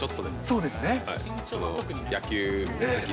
そうですね。